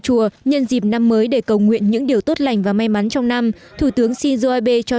chùa nhân dịp năm mới để cầu nguyện những điều tốt lành và may mắn trong năm thủ tướng shinzo abe cho